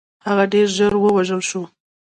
هغه ډېر ژر ووژل شو.